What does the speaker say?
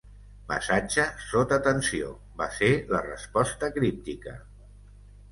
Massatge sota tensió, va ser la resposta críptica.